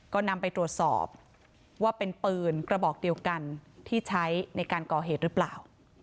ก็นำไปตรวจสอบว่าเป็นปืนกระบอกเดียวกันที่ใช้ในการก่อเหตุหรือเปล่า